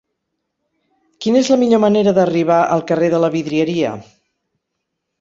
Quina és la millor manera d'arribar al carrer de la Vidrieria?